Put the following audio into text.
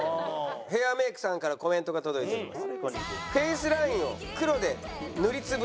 ヘアメイクさんからコメントが届いております。